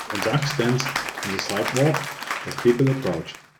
A duck stands on the sidewalk as people approach.